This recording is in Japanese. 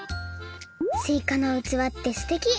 すいかのうつわってすてき。